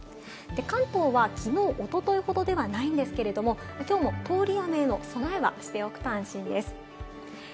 関東はきのう、おとといほどではないんですけれども、きょうも通り雨への備えはしておくと安心です。